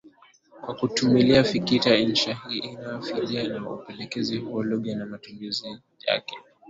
kwa kutumilia fikita Insha hii inaaiifiwa na upelelezi huo Iugha na matumizi yake